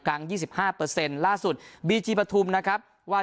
ครั้งยี่สิบห้าเพอร์เซ็นต์ล่าสุดบี้จีบธุมนะครับว่า